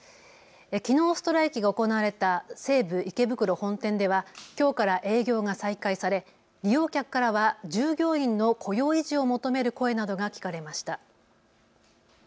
きのうストライキが行われた西武池袋本店ではきょうから営業が再開され利用客からは従業員の雇用維持を求める声などが聞かれました。